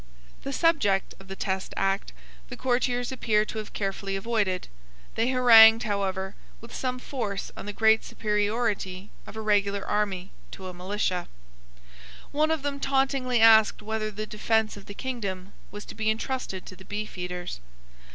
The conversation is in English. The subject of the Test Act the courtiers appear to have carefully avoided. They harangued, however, with some force on the great superiority of a regular army to a militia. One of them tauntingly asked whether the defence of the kingdom was to be entrusted to the beefeaters.